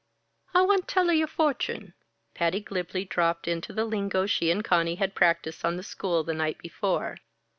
"I want tell a your fortune," Patty glibly dropped into the lingo she and Conny had practised on the school the night before.